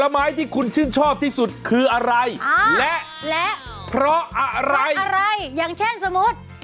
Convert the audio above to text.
มีบักเขียบ